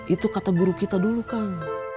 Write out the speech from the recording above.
itu kata guru kita dulu kan